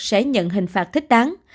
sẽ nhận hình phạt thích đáng